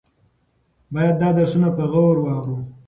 باید دا درسونه په غور واورو.